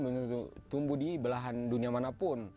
belum tentu tumbuh di belahan dunia manapun